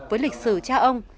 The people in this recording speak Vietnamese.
với lịch sử cha ông